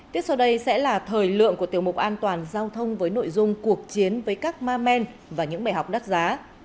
tiếp sau đây sẽ là thời lượng của tiểu mục an toàn giao thông với nội dung cuộc chiến với các ma men và những bài học đắt giá